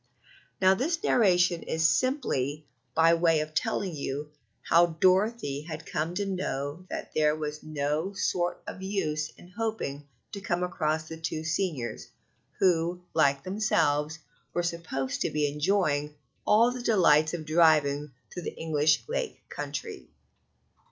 Now, this narration is simply by way of telling you how Dorothy had come to know that there was no sort of use in hoping to come across the two seniors, who, like themselves, were supposed to be enjoying all the delights of driving through the English Lake Country.